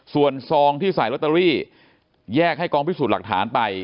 ส่วนซองที่ใส่ลอตเตอรี่แยกให้กองพิสูจน์หลักฐานไป